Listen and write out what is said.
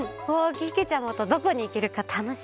けけちゃまとどこにいけるかたのしみだな。